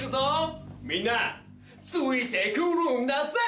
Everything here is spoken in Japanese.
みんなついてくるんだぜ！